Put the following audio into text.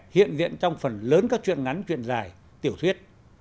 hiện diện trong phần lớn các chuyện ngắn chuyện dài tiểu thuyết